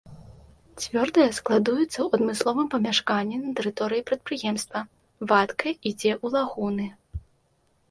Цвёрдая складуецца ў адмысловым памяшканні на тэрыторыі прадпрыемства, вадкая ідзе ў лагуны.